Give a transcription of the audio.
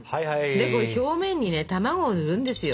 でこれに表面にね卵をぬるんですよ。